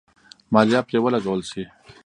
مالیه پرې ولګول شي.